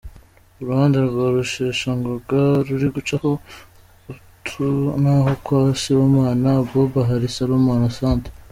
Uruhande rwa Rusheshangoga ruri gucaho Atsu naho kwa Sibomana Abuba hari Salomon Asante.